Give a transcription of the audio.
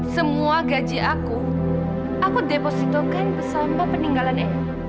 semua gaji aku aku depositokan bersama peninggalan emy